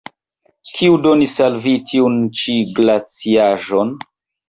Kiu donis al vi tiun ĉi glaciaĵon?